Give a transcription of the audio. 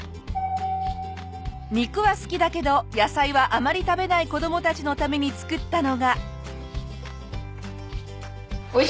肉は好きだけど野菜はあまり食べない子どもたちのために作ったのが。